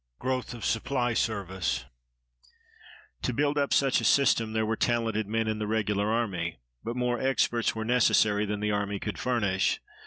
GROWTH OF SUPPLY SERVICE To build up such a system there were talented men in the Regular Army, but more experts were necessary than the army could furnish.